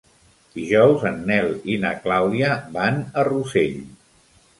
Dijous en Nel i na Clàudia van a Rossell.